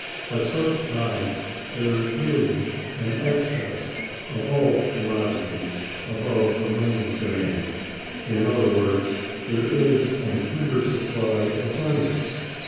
At such times there is really an excess of all commodities above the money demand: in other words, there is an under supply of money.